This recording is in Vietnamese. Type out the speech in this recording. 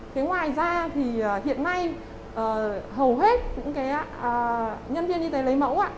thế ngoài da thì hiện nay hầu hết những nhân viên y tế lấy mẫu